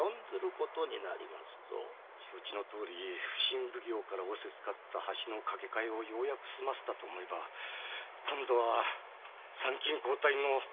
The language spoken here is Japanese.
承知のとおり普請奉行から仰せつかった橋の架け替えを済ませたと思えば今度は参勤交代の費用をひねり出さねばならぬ。